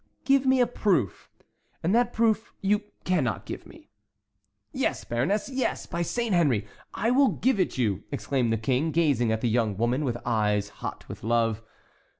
"Give me a proof—and that proof you cannot give me." "Yes, baroness, yes! By Saint Henry, I will give it you!" exclaimed the king, gazing at the young woman with eyes hot with love.